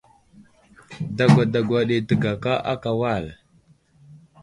Dagwa dagwa ɗi təgaka aka wal.